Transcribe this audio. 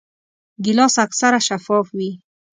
ګیلاس اکثره شفاف وي.